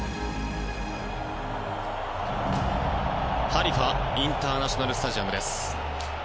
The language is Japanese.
ハリファインターナショナル・スタジアムです。